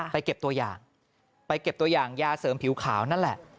เก็บตัวอย่างไปเก็บตัวอย่างยาเสริมผิวขาวนั่นแหละ